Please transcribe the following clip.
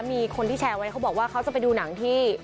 มีคนที่แชร์ไว้เขาบอกว่าเขาจะไปดูหนังที่